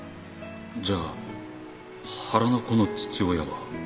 じゃあ腹の子の父親は？